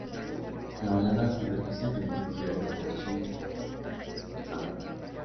La balada ha sido especialmente cubierta por Jim McCann.